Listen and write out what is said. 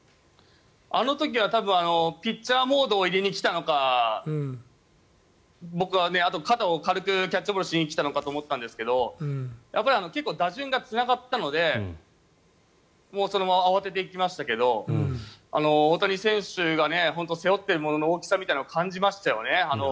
あの時はピッチャーモードを入れに来たのか僕は肩を軽くキャッチボールしに来たと思ったんですけどやっぱり打順がつながったのでそのまま慌てて行きましたけど大谷選手が背負ってるものの大きさみたいなのを感じましたよね。